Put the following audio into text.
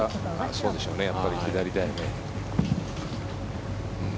そうでしょうねやっぱり左だよね。